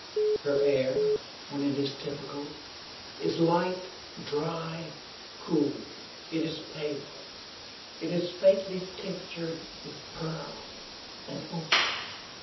Her air, when it is typical, is light, dry, cool. It is pale, it is faintly tinctured with pearl and opal.